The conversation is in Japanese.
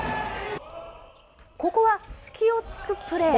ここは隙をつくプレー。